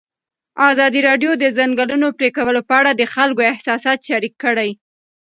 ازادي راډیو د د ځنګلونو پرېکول په اړه د خلکو احساسات شریک کړي.